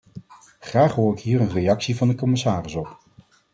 Graag hoor ik hier een reactie van de commissaris op.